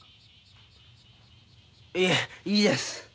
いいえいいです。